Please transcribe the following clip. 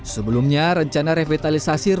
sebelumnya rencana revitalisasi rumah ini